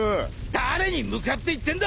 誰に向かって言ってんだ！